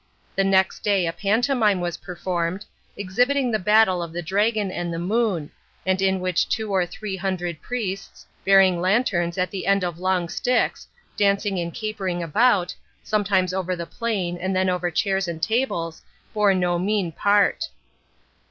The next day a pantomime was performed, exhibiting the battle of the dragon and the Moon, and in which two or three hundred priests, bearing lanterns at the end of long sticks, dancing and capering about, sometimes over the plain, and then over chairs and tables, bore no mean part.